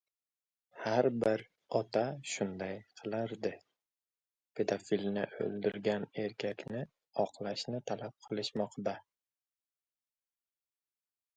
"Har bir ota shunday qilardi": pedofilni o‘ldirgan erkakni oqlashni talab qilishmoqda